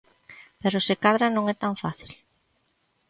Pero se cadra non é tan fácil.